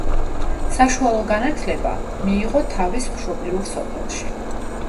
საშუალო განათლება მიიღო თავის მშობლიურ სოფელში.